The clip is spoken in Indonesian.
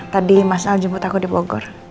tadi mas al jemput aku di bogor